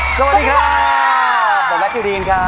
สวัสดีค่ะผมแบทยุดีน